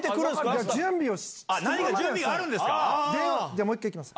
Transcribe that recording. じゃあもう１回いきます。